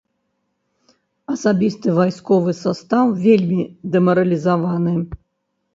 Асабісты вайсковы састаў вельмі дэмаралізаваны.